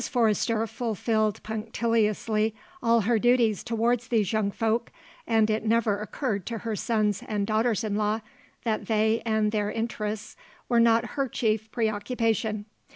Forrester fulfilled punctiliously all her duties towards these young folk, and it never occurred to her sons and daughters in law that they and their interests were not her chief preoccupation.